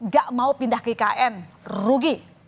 gak mau pindah ke ikn rugi